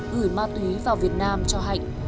gửi ma túy vào việt nam cho hạnh